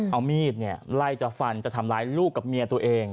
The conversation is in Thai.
เอามีดไล่จะฟันจะทำร้ายลูกกับเมียตัวเอง